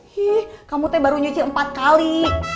hih kamu teh baru nyuci empat kali